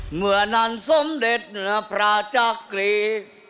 เหมือนนั้นสมเด็จเหนือพระเจ้าคลี